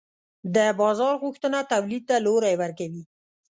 د بازار غوښتنه تولید ته لوری ورکوي.